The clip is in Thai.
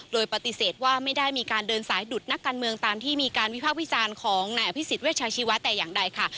โดยปฏิเสธว่าไม่ได้มีการเดินสายดุดนักการเมืองตามที่มีการวิภาควิจารณ์ของนายอภิษฎเวชาชีวะแต่อย่างใดค่ะ